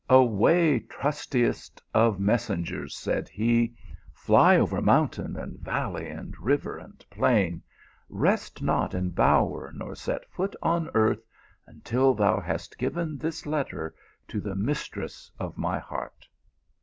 "Away, trustiest of messengers," said he. " Fly over mountain, and valley, and river, and plain ; rest not in bower nor set foot on earth, until thou hast given this letter to the mistress of my heart."